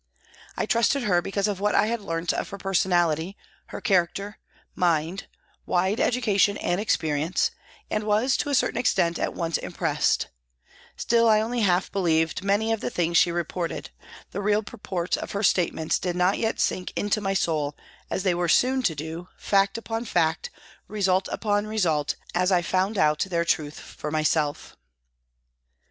I trusted her because of what I had learnt of her personality, her character, mind, wide education and experience, and was to a certain extent at once impressed ; still I only half believed many of the things she reported, the real purport of her state ments did not yet sink into my soul as they were soon to do, fact upon fact, result upon result, as I found out their truth for myself.